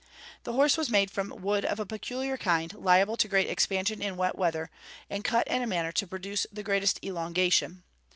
The horse was made from wood of a peculiar kind, liable to great expansion in wet weather, and cut in a manner to produce the greatest elongation.